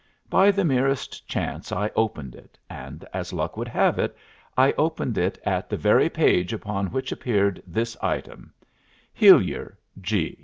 By the merest chance I opened it, and as luck would have it, I opened it at the very page upon which appeared this item: "Hillier (G.)